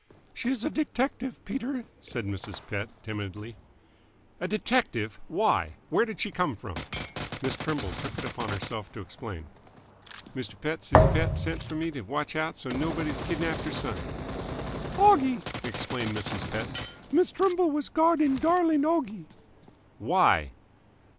"She is a detective, Peter," said Mrs. Pett timidly. "A detective? Why? Where did she come from?" Miss Trimble took it upon herself to explain. "Mister Pett, siz Pett sent f'r me t' watch out so's nobody kidnapped her son." "Oggie," explained Mrs. Pett. "Miss Trimble was guarding darling Oggie." "Why?"